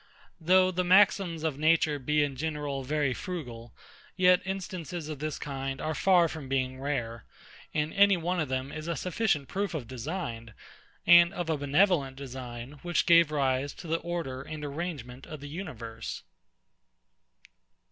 Though the maxims of Nature be in general very frugal, yet instances of this kind are far from being rare; and any one of them is a sufficient proof of design, and of a benevolent design, which gave rise to the order and arrangement of the universe.